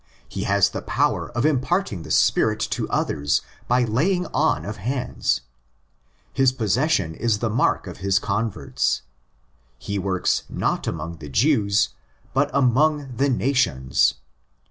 He has the power of imparting the Spirit to others by laying on of hands. Its possession is the mark of his converts. He works not among the Jews, but among the ''nations.